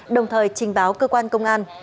đồng thời trình báo cơ quan công an